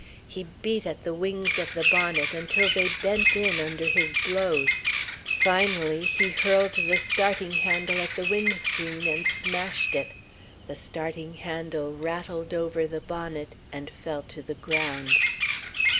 He beat at the wings of the bonnet, until they bent in under his blows. Finally, he hurled the starting handle at the wind screen and smashed it. The starting handle rattled over the bonnet and fell to the ground....